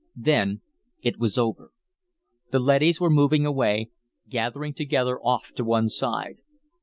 Then it was over. The leadys were moving away, gathering together off to one side.